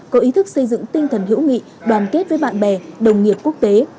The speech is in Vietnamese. có ý thức xây dựng tinh thần hữu nghị đoàn kết với bạn bè đồng nghiệp quốc tế